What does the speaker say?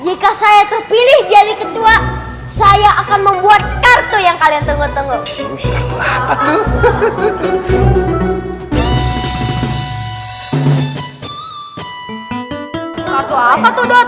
jika saya terpilih jadi ketua saya akan membuat kartu yang kalian tunggu tunggu